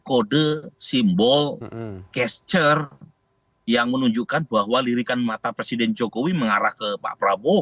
kode simbol casture yang menunjukkan bahwa lirikan mata presiden jokowi mengarah ke pak prabowo